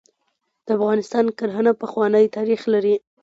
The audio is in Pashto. د افغانستان کرهڼه پخوانی تاریخ لري .